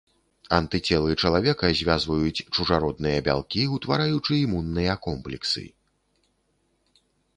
Антыцелы чалавека звязваюць чужародныя бялкі, утвараючы імунныя комплексы.